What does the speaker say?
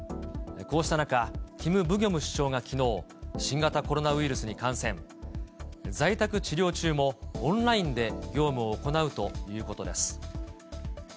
こうした中、キム・ブギョム首相が、きのう、新型コロナウイルスに感染。在宅治療中もオンラインで業務を行うということです。